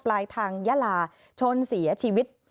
ปลายทางยาลาชนเสียชีวิต